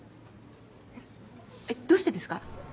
えっどうしてですか？